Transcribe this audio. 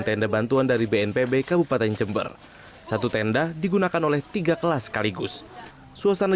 tenda bantuan dari bnpb kabupaten jember satu tenda digunakan oleh tiga kelas sekaligus suasana